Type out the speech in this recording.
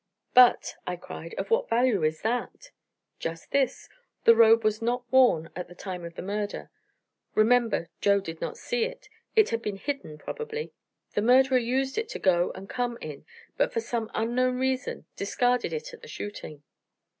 "But," I cried, "of what value is that?" "Just this the robe was not worn at the time of the murder. Remember, Joe did not see it it had been hidden, probably. The murderer used it to go and to come in, but for some unknown reason discarded it at the shooting."